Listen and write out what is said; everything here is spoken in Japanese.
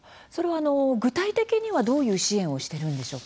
具体的にはどういう支援をしているんでしょうか？